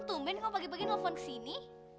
tumben kamu pagi pagi nelfon kesini